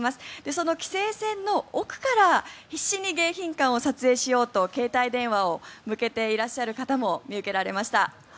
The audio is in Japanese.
その規制線の奥から必死に迎賓館を撮影しようと携帯電話を向けていらっしゃる方も見受けられました。